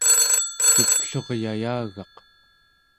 cupluryayagaq